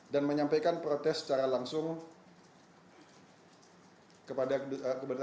dan menyampaikan protes secara langsung kepada duta besar arab saudi yang ada di jakarta